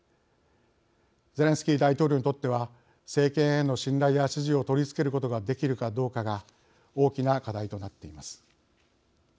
ゼレンスキー大統領にとっては政権への信頼や支持を取り続けることができるかどうかが大きな課題となっています。